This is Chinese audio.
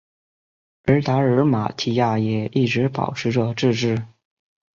而达尔马提亚也一直保持着自治。